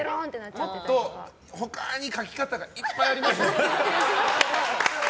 もっと他に書き方がいっぱいありますよ。